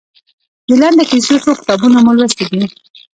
د لنډو کیسو څو کتابونه مو لوستي دي؟